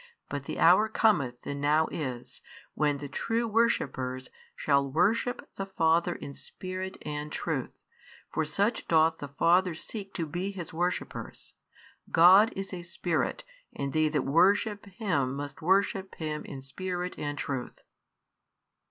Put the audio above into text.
But the hour cometh, and now is, when the true worshippers shall worship the Father in spirit and truth: for such doth the Father seek to be His worshippers. God is a Spirit, and they that worship Him must worship Him in spirit and truth.